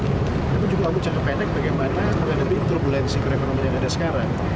tapi juga harus jaga pendek bagaimana menghadapi turbulensi korekonomi yang ada sekarang